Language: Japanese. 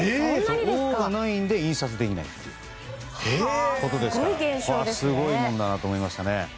「Ｏ」がないので印刷できないっていうことですからすごいもんだなと思いました。